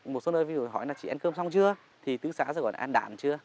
một số nơi ví dụ hỏi là chị ăn cơm xong chưa thì tứ xã sẽ gọi là ăn đạn chưa